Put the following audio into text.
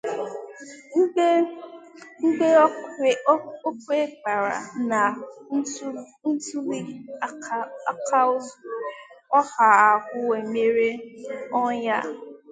Mgbe okwe gbara na ntụlị aka ozuru ọha ahụ e mere ụnya